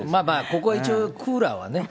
ここは一応、クーラーはね。